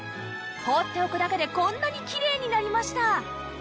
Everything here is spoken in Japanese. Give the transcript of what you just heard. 放っておくだけでこんなにきれいになりました